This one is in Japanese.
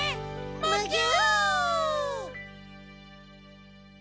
むぎゅ！